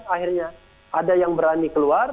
akhirnya ada yang berani keluar